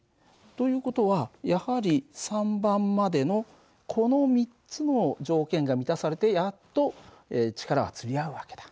という事はやはり３番までのこの３つの条件が満たされてやっと力がつり合う訳だ。